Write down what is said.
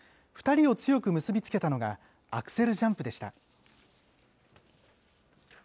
２人を強く結び付たのが、アクセルジャンプでした。